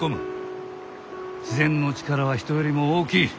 自然の力は人よりも大きい。